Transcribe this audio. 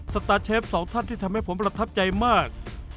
สตาร์เชฟสองท่านที่ทำให้ผมประทับใจมาก